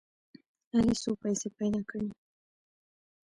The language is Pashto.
علي څو پیسې پیدا کړې.